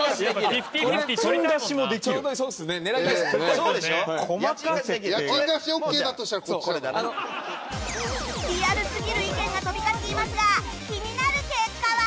リアルすぎる意見が飛び交っていますが気になる結果は